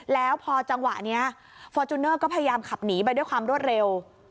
แล้วพอจังหวะนี้ฟอร์จูเนอร์ก็พยายามขับหนีไปด้วยความรวดเร็ว